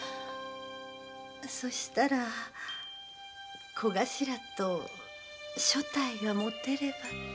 そしたら小頭と所帯が持てればと。